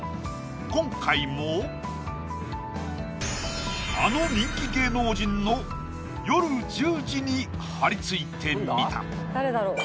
今回もあの人気芸能人の夜１０時に張り付いてみた！